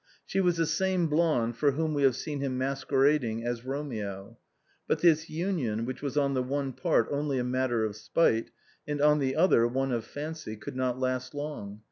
She was the same blonde for whom we have seen him masquerading as Romeo. But this union, which was on the one part only a matter of spite, and on the other one of fancy, could not last long.